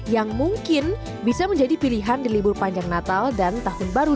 yang mungkin bisa menjadi pilihan di libur panjang natal dan tahun baru dua ribu delapan belas